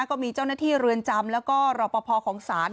ก็มีเจ้าหน้าที่เรือนจำแล้วก็รอปภของศาล